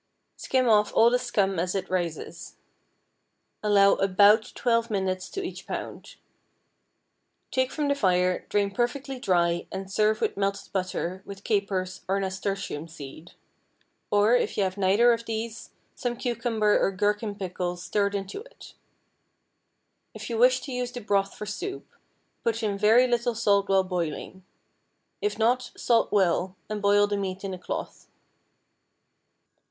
Skim off all the scum as it rises. Allow about twelve minutes to each pound. Take from the fire, drain perfectly dry, and serve with melted butter, with capers, or nasturtium seed; or, if you have neither of these, some cucumber or gherkin pickle stirred into it. If you wish to use the broth for soup, put in very little salt while boiling; if not, salt well, and boil the meat in a cloth.